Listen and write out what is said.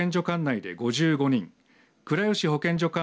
管内で５５人倉吉保健所